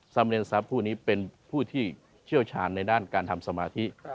สำเร็งทรัพย์ผู้นี้เป็นผู้ที่เชี่ยวชาญในด้านการทำสมาธิ